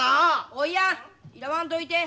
おいやんいらわんといて。